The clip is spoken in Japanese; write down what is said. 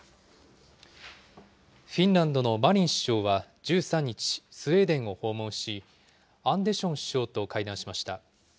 フィンランドのマリン首相は１３日、スウェーデンを訪問し、アンデション首相と会談しました。